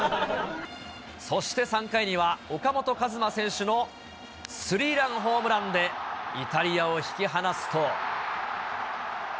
そして３回には、岡本和真選手のスリーランホームランで、イタリアを引き離すと。